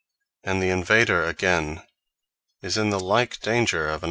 And the Invader again is in the like danger of another.